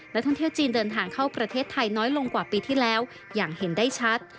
ท่องเที่ยวจีนเดินทางเข้าประเทศไทยน้อยลงกว่าปีที่แล้วอย่างเห็นได้ชัด